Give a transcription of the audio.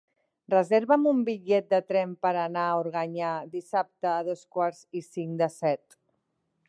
Reserva'm un bitllet de tren per anar a Organyà dissabte a dos quarts i cinc de set.